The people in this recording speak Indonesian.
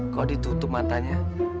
kok ditutup matanya